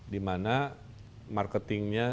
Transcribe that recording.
di mana marketingnya